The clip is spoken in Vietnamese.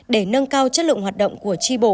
để nâng cao chất lượng hoạt động của tri bộ